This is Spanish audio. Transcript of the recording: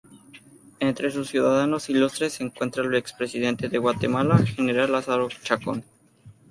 Entre sus ciudadanos ilustres se encuentra el expresidente de Guatemala, general Lázaro Chacón.